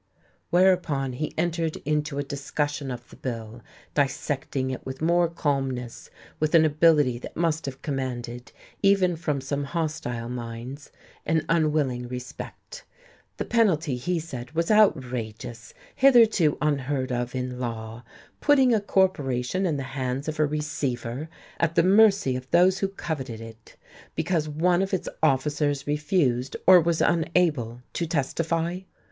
Whereupon he entered into a discussion of the bill, dissecting it with more calmness, with an ability that must have commanded, even from some hostile minds, an unwilling respect. The penalty, he said, was outrageous, hitherto unheard of in law, putting a corporation in the hands of a receiver, at the mercy of those who coveted it, because one of its officers refused, or was unable, to testify.